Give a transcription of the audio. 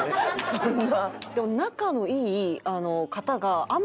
そんな。